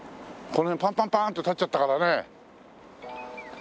この辺パンパンパンと建っちゃったからね。